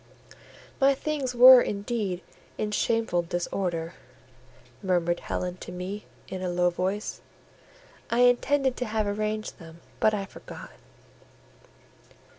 "My things were indeed in shameful disorder," murmured Helen to me, in a low voice: "I intended to have arranged them, but I forgot."